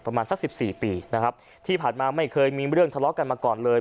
ประมาณสักสิบสี่ปีนะครับที่ผ่านมาไม่เคยมีเรื่องทะเลาะกันมาก่อนเลย